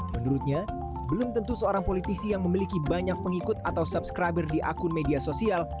menurutnya belum tentu seorang politisi yang memiliki banyak pengikut atau subscriber di akun media sosial